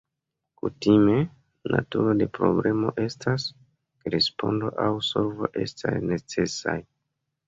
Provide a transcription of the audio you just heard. Kutime, naturo de problemo estas ke respondo aŭ solvo estas necesaj.